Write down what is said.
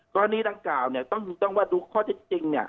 ตอนนี้ทางกล่าวเนี่ยต้องว่าดูข้อจริงเนี่ย